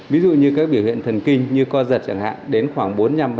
ví dụ như các biểu hiện thần kinh như co giật chẳng hạn đến khoảng bốn mươi năm